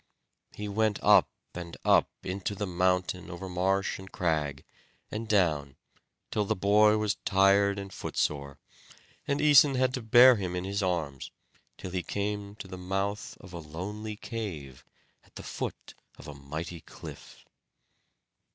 He went up and up into the mountain over marsh, and crag, and down, till the boy was tired and footsore, and Æson had to bear him in his arms, till he came to the mouth of a lonely cave, at the foot of a mighty cliff.